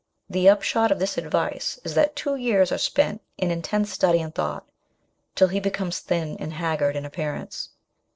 The upshot of this advice is that two years are spent in intense study and thought, till he becomes thin and haggard in appearance.